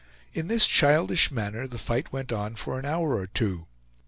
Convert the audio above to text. In this childish manner the fight went on for an hour or two.